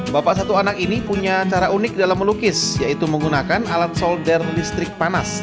bapak satu anak ini punya cara unik dalam melukis yaitu menggunakan alat solder listrik panas